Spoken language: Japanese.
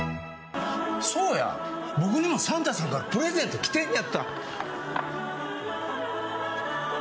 そうや僕にもサンタさんからプレゼント来てんねやった。